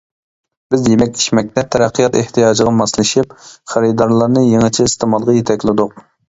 بىز يېمەك-ئىچمەكتە تەرەققىيات ئېھتىياجىغا ماسلىشىپ، خېرىدارلارنى يېڭىچە ئىستېمالغا يېتەكلىدۇق.